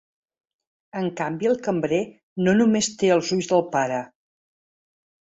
En canvi el cambrer no només té els ulls del pare.